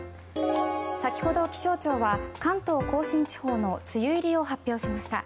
先ほど、気象庁は関東・甲信地方の梅雨入りを発表しました。